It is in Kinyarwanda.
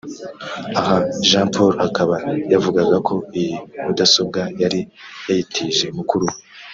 Aha Jean Paul akaba yavugaga ko iyi mudasobwa yari yayitije mukuru we